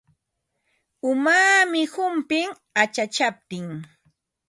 Umaami humpin achachaptin.